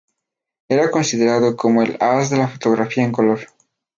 Era considerado como el as de la fotografía en color.